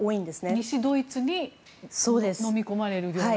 西ドイツにのみ込まれるような。